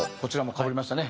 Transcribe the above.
かぶりましたね！